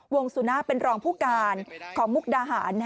สุนาเป็นรองผู้การของมุกดาหาร